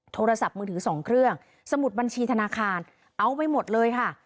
โทรศัพท์มือถือ๒เครื่องสมุดบัญชีธนาคารเอาไปหมดเลยค่ะ